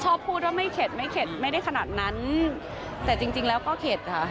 พูดว่าไม่เข็ดไม่เข็ดไม่ได้ขนาดนั้นแต่จริงจริงแล้วก็เข็ดค่ะ